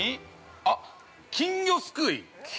あっ金魚すくい。